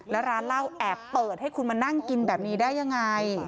แล้วร้านเหล้าแอบเปิดให้คุณมานั่งกินแบบนี้ได้ยังไง